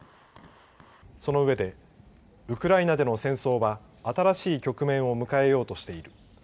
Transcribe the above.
その上で、ウクライナでの戦争は新しい局面を迎えようとしている。